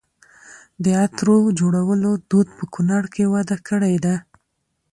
د عطرو جوړولو دود په کونړ کې وده کړې ده.